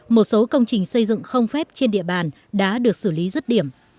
một số công trình xây dựng không phép trên địa bàn đã được xử lý rứt điểm